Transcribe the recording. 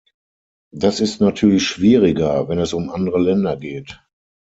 Das ist natürlich schwieriger, wenn es um andere Länder geht.